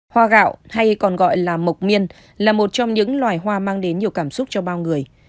hoa gạo hay còn gọi là mộc miên là một trong những loài hoa mang đến nhiều cảm xúc cho bao người